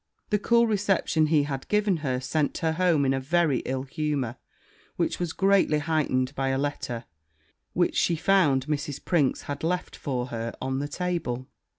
The cool reception he had given her, sent her home in a very ill humour, which was greatly heighted by a letter which she found Mrs. Prinks had left for her on the table.